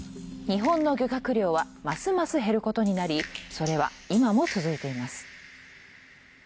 日本の漁獲量はますます減ることになりそれは今も続いています。